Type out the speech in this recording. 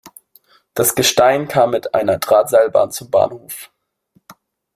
Das Gestein kam mit einer Drahtseilbahn zum Bahnhof.